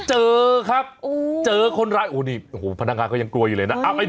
เจอครับเจอคนร้ายโอ้โฮนี่พนักงานก็ยังกลัวอยู่เลยนะ